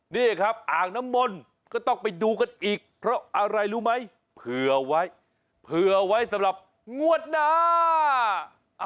นี่ครับอ่างน้ำมนต์ก็ต้องไปดูกันอีกเพราะอะไรรู้ไหมเผื่อไว้เผื่อไว้สำหรับงวดหน้า